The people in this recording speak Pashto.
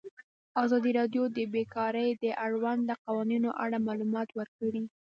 ازادي راډیو د بیکاري د اړونده قوانینو په اړه معلومات ورکړي.